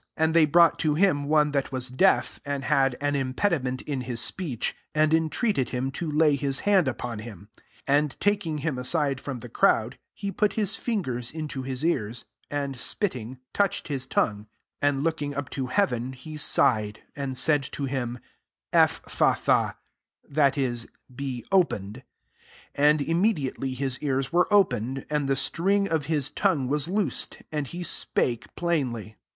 32 And they brought to htm one that was deaf, and had an impediment in his speech, and entreated him to lay hb hand upon him. 33 And taking him aside from the crowd, he put his fingers into his ears; and spitting, touched his tongue; 43 and looking up to heaven, he sighed, and said to him « Ephphatha :" (that is, « Be opened,") 35 And immediately his ears were opened, and the string of his tongue was loosed, and he spake plainly.